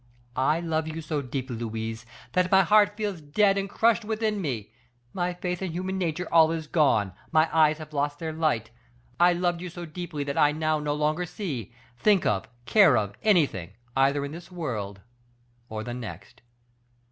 I love you so deeply, Louise, that my heart feels dead and crushed within me, my faith in human nature all is gone, my eyes have lost their light; I loved you so deeply, that I now no longer see, think of, care for, anything, either in this world or the next."